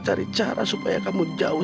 cari cara supaya kamu jauh